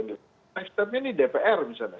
next step nya nih dpr misalnya